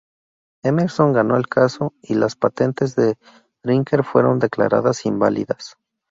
Emerson ganó el caso y las patentes de Drinker fueron declaradas inválidas.